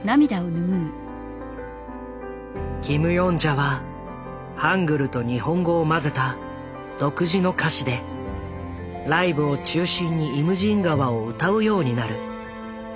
キム・ヨンジャはハングルと日本語を交ぜた独自の歌詞でライブを中心に「イムジン河」を歌うようになる。